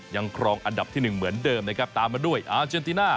ครองอันดับที่หนึ่งเหมือนเดิมนะครับตามมาด้วยอาเจนติน่า